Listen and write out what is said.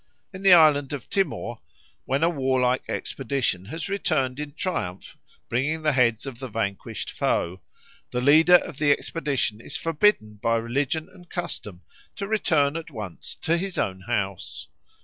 In the island of Timor, when a warlike expedition has returned in triumph bringing the heads of the vanquished foe, the leader of the expedition is forbidden by religion and custom to return at once to his own house.